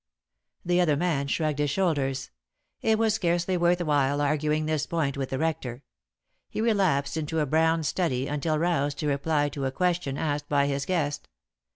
The other man shrugged his shoulders. It was scarcely worth while arguing this point with the rector. He relapsed into a brown study, until roused to reply to a question asked by his guest.